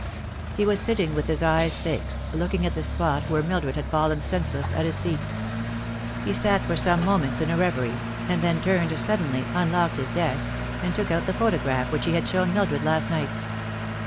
He was sitting with his eyes fixed, looking at the spot where Mildred had fallen senseless at his feet. He sat for some moments in a reverie, and then turned suddenly, unlocked his desk, and took out the photograph which he had shown Mildred last night.